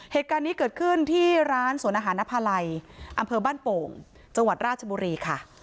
เหตุการณ์นี้เกิดขึ้นที่ร้านสวนอาหารนภาลัยอำเภอบ้านโป่งจังหวัดราชบุรีค่ะ